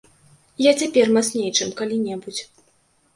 Я цяпер мацней, чым калі-небудзь.